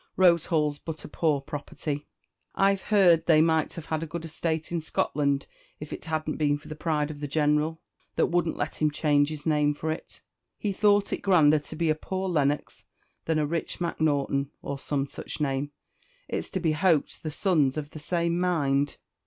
Rose Hall's but a poor property. I've heard they might have had a good estate in Scotland if it hadn't been for the pride of the General, that wouldn't let him change his name for it, He thought it grander to be a poor Lennox than a rich Macnaughton, or some such name, It's to be hoped the son's of the same mind?"